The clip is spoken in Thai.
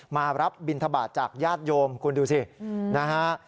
มารับบินทบาทจากญาติโยมคุณดูสินะฮะ